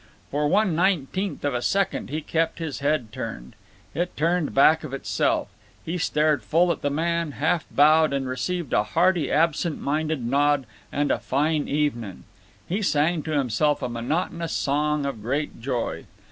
For one nineteenth of a second he kept his head turned. It turned back of itself; he stared full at the man, half bowed—and received a hearty absent minded nod and a "Fine evenin'." He sang to himself a monotonous song of great joy.